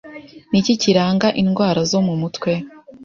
Ni iki kiranga indwara zo mu mutwe?